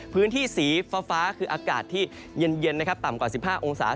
พื้นที่สีฟ้าคืออากาศที่เย็นนะครับต่ำกว่า๑๕องศา